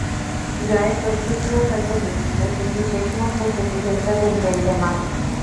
ড্রয়ের প্রস্তুতিও হয়তো নিচ্ছিল, কিন্তু শেষ মুহূর্তে সেটি ভেস্তে দেন বেনজেমা।